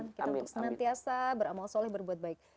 kita untuk senantiasa beramal soleh berbuat baik